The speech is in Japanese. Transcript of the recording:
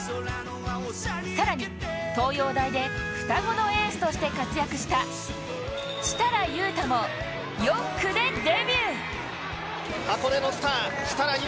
更に東洋大で双子のエースとして活躍した設楽悠太も４区でデビュー